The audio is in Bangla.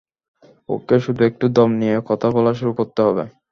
ওকে শুধু একটু দম নিয়ে কথা বলা শুরু করতে হবে!